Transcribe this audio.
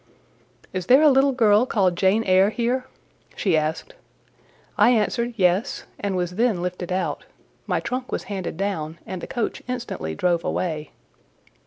"Is there a little girl called Jane Eyre here?" she asked. I answered "Yes," and was then lifted out; my trunk was handed down, and the coach instantly drove away.